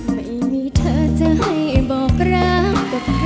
ไม่มีเธอจะให้บอกรักกับใคร